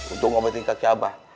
untuk ngobatin kaki abah